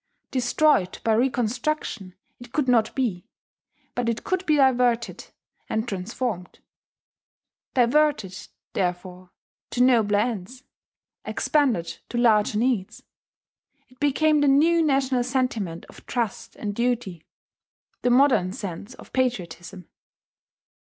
Destroyed by reconstruction it could not be; but it could be diverted and transformed. Diverted, therefore, to nobler ends expanded to larger needs, it became the new national sentiment of trust and duty: the modern sense of patriotism.